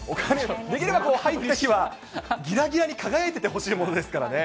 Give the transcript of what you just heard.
できれば入った日は、ぎらぎらに輝いててほしいものですからね。